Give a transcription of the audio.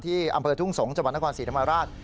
ที่อำเภอทุ่งสงส์จังหวัดนคร๔นมราช